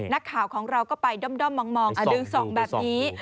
นักข่าวของเราก็ไปด้อมมองดึงส่องแบบนี้